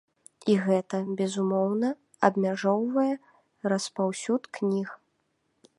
І гэта, безумоўна, абмяжоўвае распаўсюд кніг.